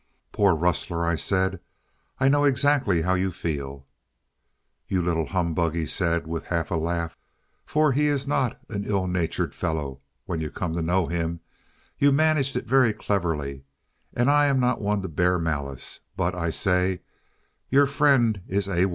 "Poor Rustler," I said, "I know exactly how you feel." "You little humbug," he said, with half a laugh for he is not an ill natured fellow when you come to know him "you managed it very cleverly, and I'm not one to bear malice; but, I say, your friend is A1."